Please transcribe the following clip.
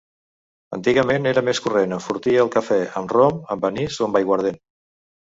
Antigament era més corrent enfortir el cafè amb rom, amb anís o amb aiguardent.